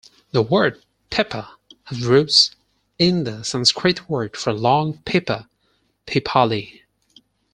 The word "pepper" has roots in the Sanskrit word for long pepper, "pippali".